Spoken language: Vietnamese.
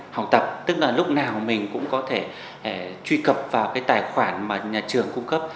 học tập tức là lúc nào mình cũng có thể truy cập vào cái tài khoản mà nhà trường cung cấp